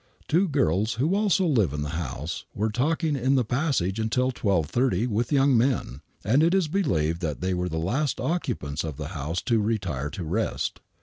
Two girls, who also live in the house, were talking in the passage until 12.30 with young men, and it is believed that they were the last occupants of the house to retire to rest.